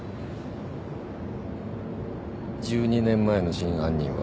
１２年前の真犯人は。